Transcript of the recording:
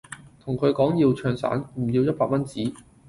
同佢講要唱散，唔要一百蚊紙